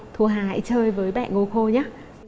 thu hà hãy chơi với bẹ ngô khô nhé